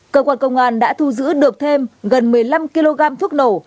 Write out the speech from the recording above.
cơ quan công an đã thu giữ được thêm gần một mươi năm kg thuốc nổ